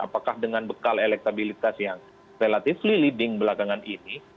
apakah dengan bekal elektabilitas yang relatifly leading belakangan ini